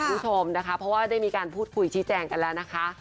เพราะว่าได้มีการพูดคุยชี้แจงกันแล้วนะคะ